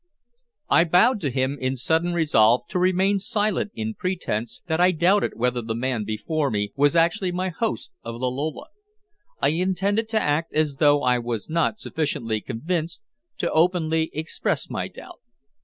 I bowed to him in sudden resolve to remain silent in pretense that I doubted whether the man before me was actually my host of the Lola. I intended to act as though I was not sufficiently convinced to openly express my doubt.